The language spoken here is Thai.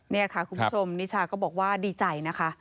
นี่ค่ะคุณผู้ชมนิชาก็บอกว่าดีใจนะคะ